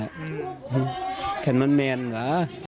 แบบงามันมีกะ